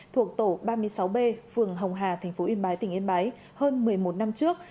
thuộc tổ ba mươi sáu b phường hồng hà tp yên bái tỉnh yên bái hơn một mươi một năm trước